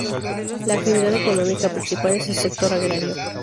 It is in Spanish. La actividad económica principal es el sector agrario.